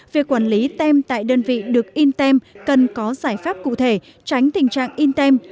việc quản lý tem tại đơn vị được in tem cần có giải pháp cụ thể tránh tình trạng in tem